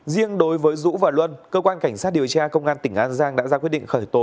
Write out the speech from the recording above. riêng đối với dũ và luân cơ quan cảnh sát điều tra công an tỉnh an giang đã ra quyết định khởi tố